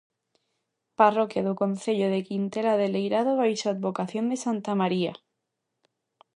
Parroquia do concello de Quintela de Leirado baixo a advocación de santa María.